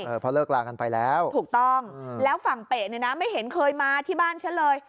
เพราะเลิกลากันไปแล้วถูกต้องแล้วฝั่งเปะเนี่ยนะไม่เห็นเคยมาที่บ้านฉันเลย